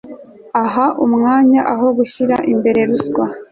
aha umwanya aho gushyira imbere ruswa